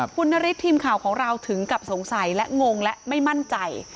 คุณนฤทธิ์ทีมข่าวของเราถึงกับสงสัยและงงและไม่มั่นใจ